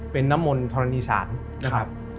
เป็นน้ำมนธรณีศาลนะครับ